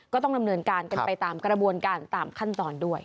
ก็ต้องดำเนินการกันไปตามกระบวนการตามขั้นตอนด้วย